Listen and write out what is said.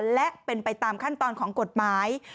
และเป็นไปตามขั้นตอนของกฎหมาย